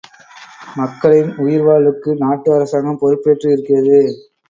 மக்களின் உயிர் வாழ்வுக்கு நாட்டு அரசாங்கம் பொறுப்பேற்று இருக்கிறது.